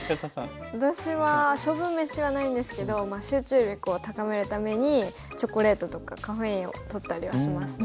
私は勝負めしはないんですけど集中力を高めるためにチョコレートとかカフェインをとったりはしますね。